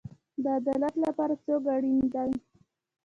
د عدالت لپاره څوک اړین دی؟